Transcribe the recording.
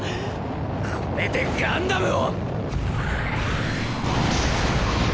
これでガンダムを！